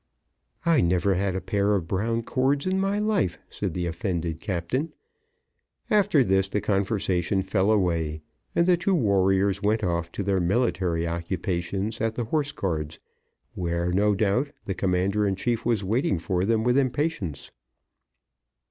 "I never had a pair of brown cords in my life!" said the offended captain. After this the conversation fell away, and the two warriors went off to their military occupations at the Horse Guards, where, no doubt, the Commander in chief was waiting for them with impatience.